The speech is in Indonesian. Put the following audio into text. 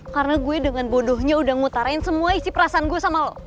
karena gue dengan bodohnya udah ngutarain semua isi perasaan gue sama lo